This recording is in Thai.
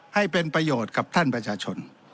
ให้เป็นประโยชน์กับท่านประชาชน